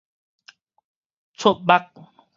覷目